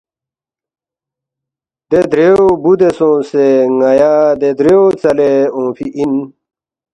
دے درِیُو بُودے سونگسے ن٘یا دے دَریُو ژَلے اونگفی اِن